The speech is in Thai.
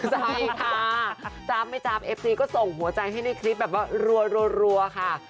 ใช่ค่ะจ๊บไม่จ๊บเอฟซีก็ส่งหัวใจให้ในคลิปแบบว่ารัวค่ะ